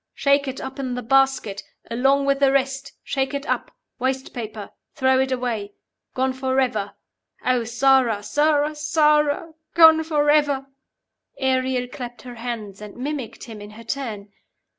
Shake it up in the basket. Along with the rest. Shake it up. Waste paper. Throw it away. Gone forever. Oh, Sara, Sara, Sara! Gone forever.'" Ariel clapped her hands, and mimicked him in her turn.